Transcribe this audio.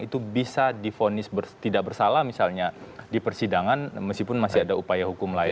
itu bisa difonis tidak bersalah misalnya di persidangan meskipun masih ada upaya hukum lain